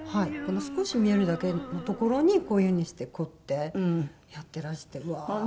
少し見えるだけの所にこういう風にして凝ってやってらしてうわー！